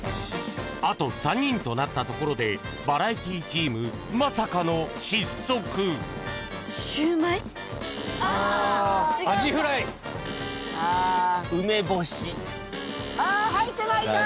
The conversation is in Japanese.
［あと３人となったところでバラエティチームまさかの失速］入ってないか！